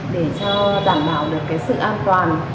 để cho đảm bảo được cái sự an toàn